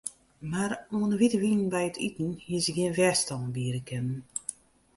Mar oan 'e wite wyn by it iten hie se gjin wjerstân biede kinnen.